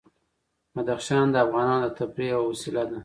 بدخشان د افغانانو د تفریح یوه وسیله ده.